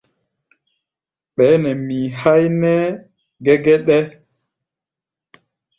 Ɓɛɛ́ nɛ mii háí nɛ́ɛ́ gɛgɛɗɛ.